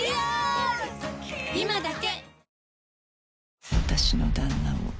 今だけ！